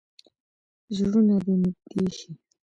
زړونه دې نږدې شي.